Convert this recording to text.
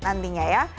rakyat nantinya ya